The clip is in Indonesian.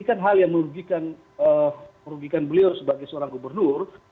ini kan hal yang merugikan beliau sebagai seorang gubernur